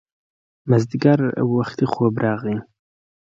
مازیګر وختي خوب راغی